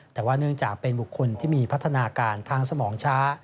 แต่ว่าเนื่องจากเป็นบุคคลที่มีพัฒนาการทางสมองช้า